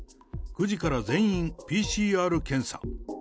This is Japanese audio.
９時から全員、ＰＣＲ検査。